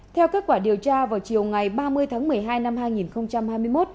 theo kết quả điều tra vào chiều ngày ba mươi tháng một mươi hai năm hai nghìn hai mươi một